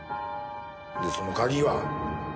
でその鍵は？